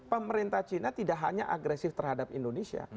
pemerintah china tidak hanya agresif terhadap indonesia